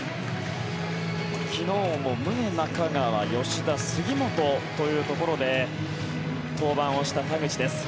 昨日も宗、中川吉田、杉本というところで登板をした田口です。